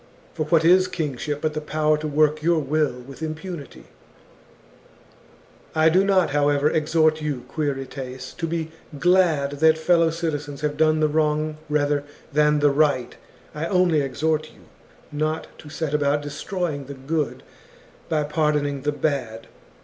* For what is kingship, but the power to work your will with impunity ?" I do not, however, exhort you, Quirites, to be glad that fellow citizens have done the wrong rather than the right. I only exhort you, not to set about destroy ing the good by pardoning the bad.